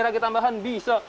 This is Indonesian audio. kasih lagi tambahan bisa